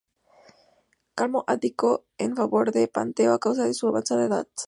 Cadmo abdicó en favor de Penteo a causa de su avanzada edad.